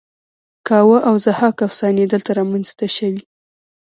کاوه او ضحاک افسانې دلته رامینځته شوې